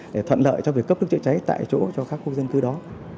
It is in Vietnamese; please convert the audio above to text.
để thuận lợi cho việc cấp nước chữa cháy tại chỗ cho các khu dân cư đó